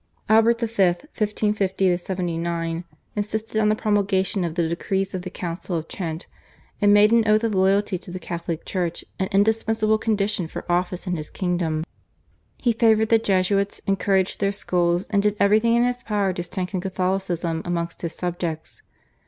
Albert V. (1550 79) insisted on the promulgation of the decrees of the Council of Trent, and made an oath of loyalty to the Catholic Church an indispensable condition for office in his kingdom. He favoured the Jesuits, encouraged their schools, and did everything in his power to strengthen Catholicism amongst his subjects.